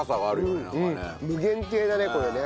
無限系だねこれね。